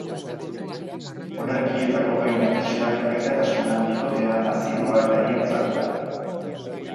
Olerkietako gai nagusiak aitatasuna, bikotea, nazioa eta heriotza dira.